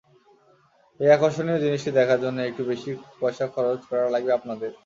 এই আকর্ষণীয় জিনিসটি দেখার জন্য একটু বেশি পয়সা খরচ করা লাগবে আপনাদের।